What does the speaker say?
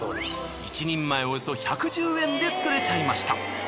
１人前およそ１１０円で作れちゃいました。